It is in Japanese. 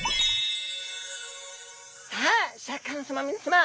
さあシャーク香音さま皆さま！